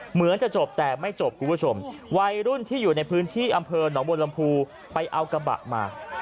เหมือนจะจบแต่ไม่จบคุณผู้ชมวัยรุ่นที่อยู่ในพื้นที่อำเภอหนองบัวลำพูไปเอากระบะมา